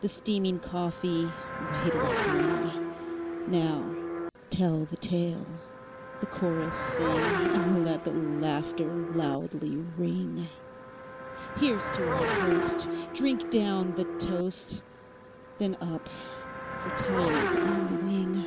The steaming coffee, waiter, bringNow tell the tale, the chorus sing, And let the laughter loudly ring; Here 's to our host, drink down the toast, Then up! for time is on the wing.